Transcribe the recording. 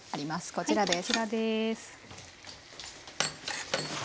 こちらです。